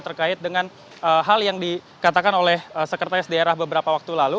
terkait dengan hal yang dikatakan oleh sekretaris daerah beberapa waktu lalu